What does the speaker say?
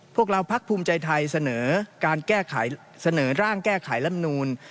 พวกเราพักภูมิใจไทยเสนอการแก้ไขเสนอร่างแก้ไขลำนูน